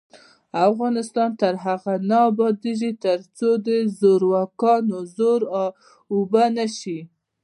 افغانستان تر هغو نه ابادیږي، ترڅو د زورواکانو زور اوبه نشي.